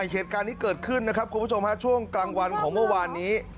เหตุการณ์นี้เกิดขึ้นนะครับคุณผู้ชมฮะช่วงกลางวันของเมื่อวานนี้